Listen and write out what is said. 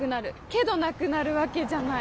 けどなくなるわけじゃない。